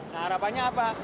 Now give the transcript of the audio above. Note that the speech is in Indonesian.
nah harapannya apa